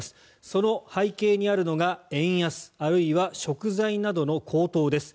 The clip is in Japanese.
その背景にあるのが円安あるいは食材などの高騰です。